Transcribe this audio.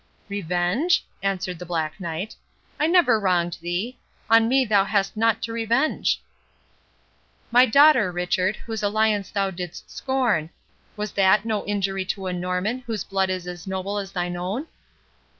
"Revenge?" answered the Black Knight; "I never wronged thee—On me thou hast nought to revenge." "My daughter, Richard, whose alliance thou didst scorn—was that no injury to a Norman, whose blood is noble as thine own?"